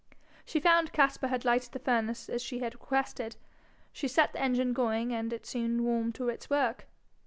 She found Caspar had lighted the furnace as she had requested; she set the engine going, and it soon warmed to its work.